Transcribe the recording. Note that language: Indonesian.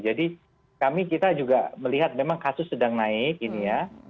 jadi kami kita juga melihat memang kasus sedang naik ini ya